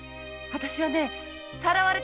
私はね